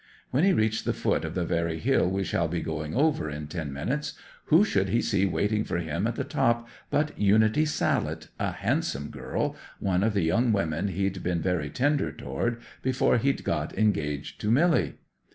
When he reached the foot of the very hill we shall be going over in ten minutes who should he see waiting for him at the top but Unity Sallet, a handsome girl, one of the young women he'd been very tender toward before he'd got engaged to Milly.